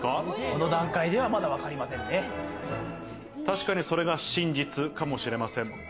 この段階ではまだ、わかりま確かに、それが真実かもしれません。